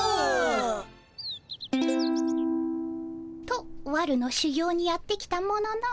とわるの修業にやって来たものの。